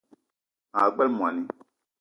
Maa gbele moni